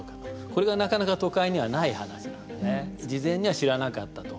これがなかなか都会にはない話なので、事前には知らなかったと。